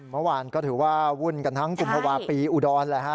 เมื่อวานก็ถือว่าวุ่นกันทั้งกุมภาวะปีอุดรแหละฮะ